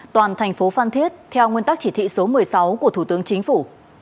toàn tp phan thiết theo nguyên tắc chỉ thị số một mươi sáu của thủ tướng chính phủ